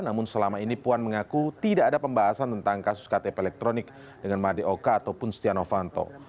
namun selama ini puan mengaku tidak ada pembahasan tentang kasus ktp elektronik dengan madeoka ataupun stiano fanto